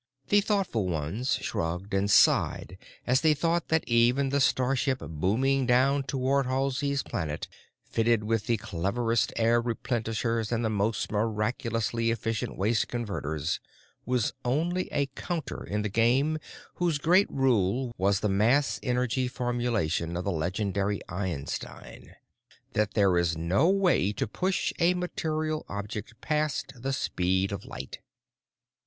The thoughtful ones shrugged and sighed as they thought that even the starship booming down toward Halsey's Planet—fitted with the cleverest air replenishers and the most miraculously efficient waste converters—was only a counter in the game whose great rule was the mass energy formulation of the legendary Einstein: that there is no way to push a material object past the speed of light.